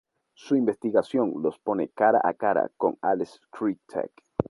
Su investigación los pone cara a cara con Alex Krycek.